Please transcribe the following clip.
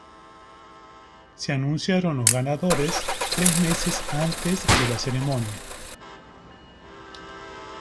Se anunciaron los ganadores tres meses antes de la ceremonia.